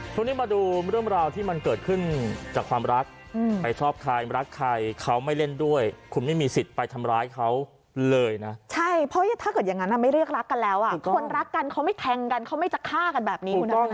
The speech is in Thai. มาดูเรื่องราวที่มันเกิดขึ้นจากความรักใครชอบใครรักใครเขาไม่เล่นด้วยคุณไม่มีสิทธิ์ไปทำร้ายเขาเลยนะใช่เพราะถ้าเกิดอย่างนั้นไม่เรียกรักกันแล้วอ่ะคนรักกันเขาไม่แทงกันเขาไม่จะฆ่ากันแบบนี้